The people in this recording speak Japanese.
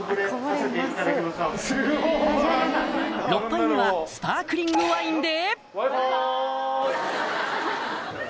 ６杯目はスパークリングワインでＷｉ−Ｆｉ。